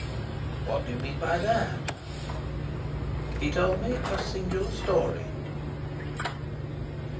"What do you mean by that?" He told me a singular story.